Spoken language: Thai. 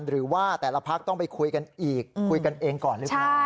หรือว่าแต่ละพักต้องไปคุยกันอีกคุยกันเองก่อนหรือเปล่า